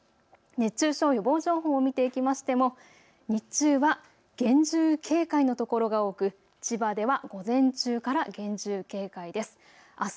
熱中症予防情報を見ていきましても日中は厳重警戒の所が多く千葉では午前中から厳重警戒です。